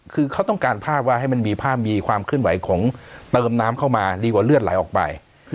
คือเขาต้องการภาพว่าให้มันมีภาพมีความเคลื่อนไหวของเติมน้ำเข้ามาดีกว่าเลือดไหลออกไป